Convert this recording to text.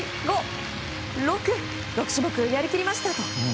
６種目やり切りましたと。